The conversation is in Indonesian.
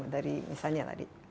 dari misalnya tadi